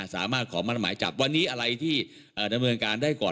สามารถขอมั่นหมายจับวันนี้อะไรที่ดำเนินการได้ก่อน